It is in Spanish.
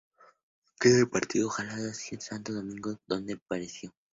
Ojeda partió entonces hacia Santo Domingo, donde pereció.